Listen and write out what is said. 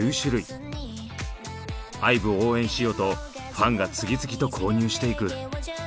ＩＶＥを応援しようとファンが次々と購入していく。